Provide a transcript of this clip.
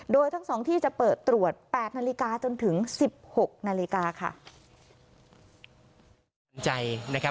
โดยทั้ง๒ที่จะเปิดตรวจ๘นาฬิกาจนถึง๑๖นาฬิกาค่ะ